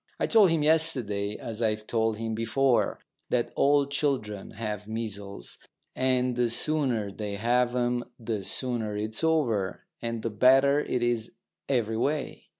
I told him yesterday, as I've told him before, that all children have measles, and the sooner they have 'em the sooner it's over, and the better it is every way.